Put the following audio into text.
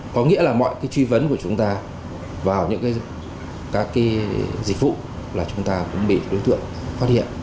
có nghĩa là mọi cái truy vấn của chúng ta vào những các cái dịch vụ là chúng ta cũng bị đối tượng phát hiện